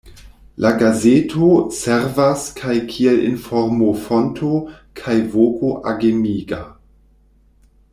La gazeto servas kaj kiel informofonto kaj voko agemiga.